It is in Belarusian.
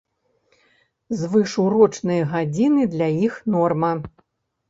Звышурочныя гадзіны для іх норма.